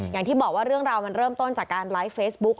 อย่างที่บอกว่าเรื่องราวมันเริ่มต้นจากการไลฟ์เฟซบุ๊ค